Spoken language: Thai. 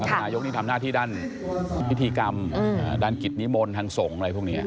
นายกนี่ทำหน้าที่ด้านพิธีกรรมด้านกิจนิมนต์ทางสงฆ์อะไรพวกนี้